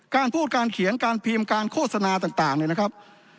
การพูดการเขียนการพิมพ์การโฆษณาต่างเนี่ยนะครับ